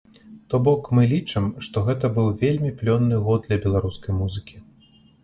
То бок, мы лічым, што гэта быў вельмі плённы год для беларускай музыкі.